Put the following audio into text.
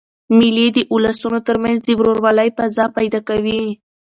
مېلې د اولسونو تر منځ د ورورولۍ فضا پیدا کوي.